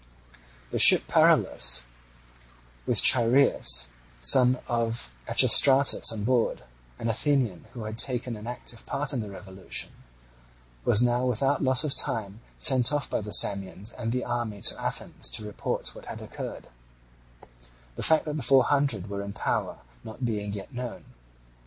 The ship Paralus, with Chaereas, son of Archestratus, on board, an Athenian who had taken an active part in the revolution, was now without loss of time sent off by the Samians and the army to Athens to report what had occurred; the fact that the Four Hundred were in power not being yet known.